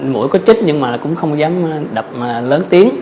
mũi có chích nhưng mà cũng không dám đập lớn tiếng